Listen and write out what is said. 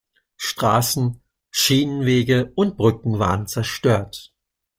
Straßen, Schienenwege und Brücken waren zerstört.